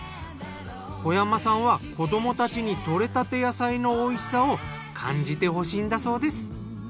小山さんは子どもたちに採れたて野菜のおいしさを感じてほしいんだそうです。